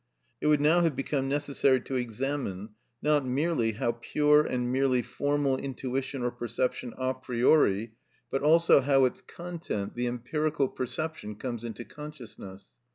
It would now have become necessary to examine, not merely how pure and merely formal intuition or perception a priori, but also how its content, the empirical perception, comes into consciousness.